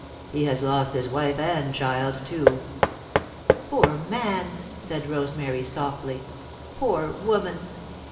He has lost wife and child too." "Poor man!" said Rosemary, softly. "Poor woman!"